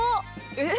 えっ？